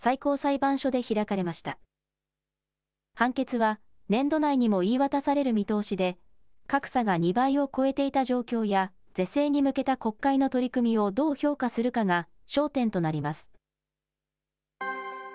判決は年度内にも言い渡される見通しで、格差が２倍を超えていた状況や、是正に向けた国会の取り組みをどう評価するかが焦点となります。